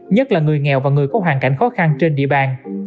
nhất là người nghèo và người có hoàn cảnh khó khăn trên địa bàn